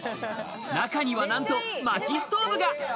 中には何と、まきストーブが。